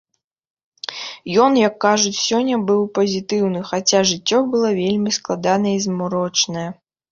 Ён, як кажуць сёння, быў пазітыўны, хаця жыццё было вельмі складанае і змрочнае.